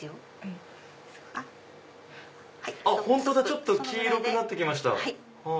ちょっと黄色くなって来ました。